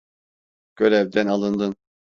Görevden alındın.